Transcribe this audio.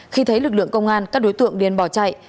khi thấy lực lượng công an các đối tượng điền bỏ chạy